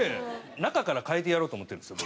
中から変えてやろうと思ってるんですよ